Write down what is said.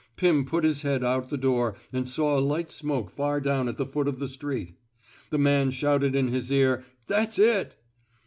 Pim put his head out the door and saw a light smoke far down at the foot of the street. The man shouted in his ear, '' That's it